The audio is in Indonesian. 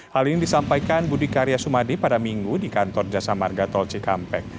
hal ini disampaikan budi karya sumadi pada minggu di kantor jasa marga tol cikampek